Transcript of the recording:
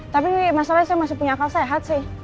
tapi masalahnya saya masih punya akal sehat sih